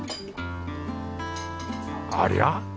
ありゃ？